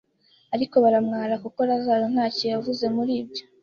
Ariko baramwara, kuko Lazaro ntacyo yavuze muri ibyo